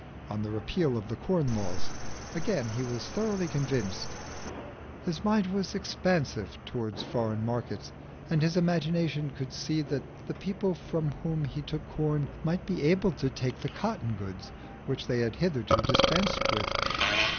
On the Repeal of the Corn Laws, again, he was thoroughly convinced. His mind was expansive towards foreign markets, and his imagination could see that the people from whom we took corn might be able to take the cotton goods which they had hitherto dispensed with.